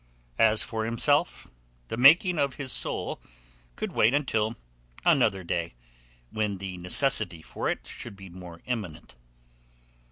As for himself, the making of his soul could wait until another day, when the necessity for it should be more imminent.